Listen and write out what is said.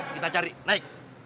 kita cari naik